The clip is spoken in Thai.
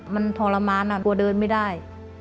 มันทรมานกลัวเดินไม่ได้